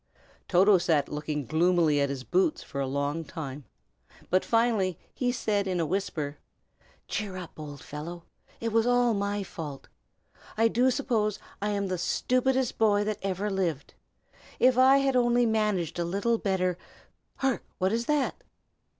Toto sat looking gloomily at his boots for a long time, but finally he said, in a whisper: "Cheer up, old fellow! it was all my fault. I do suppose I am the stupidest boy that ever lived. If I had only managed a little better hark! what is that?"